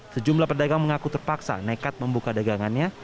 sejumlah pedagang mengaku terpaksa nekat membuka dagangannya